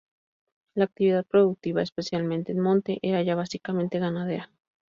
La actividad productiva, especialmente en Monte, era ya básicamente ganadera.